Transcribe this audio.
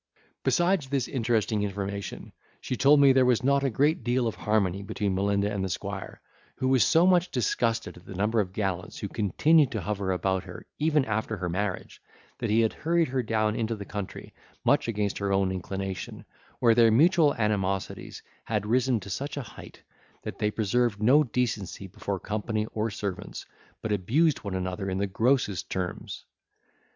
Besides this interesting information, she told me there was not a great deal of harmony between Melinda and the squire, who was so much disgusted at the number of gallants who continued to hover about her even after her marriage, that he had hurried her down into the country, much against her own inclination, where their mutual animosities had risen to such a height, that they preserved no decency before company or servants, but abused one another in the grossest terms.